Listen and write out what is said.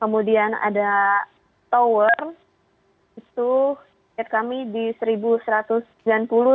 kemudian ada tower target kami di rp satu satu ratus sembilan puluh satu dua ratus